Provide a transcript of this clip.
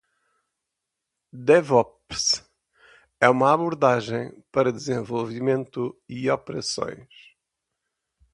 DevOps é uma abordagem para desenvolvimento e operações.